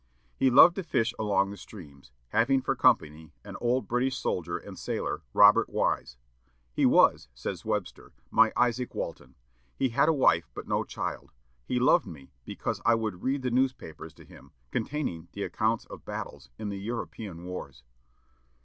He loved to fish along the streams, having for company an old British soldier and sailor, Robert Wise. "He was," says Webster, "my Isaac Walton. He had a wife but no child. He loved me, because I would read the newspapers to him, containing the accounts of battles in the European wars.